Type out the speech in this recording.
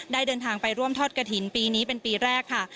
เดินทางไปร่วมทอดกระถิ่นปีนี้เป็นปีแรกค่ะ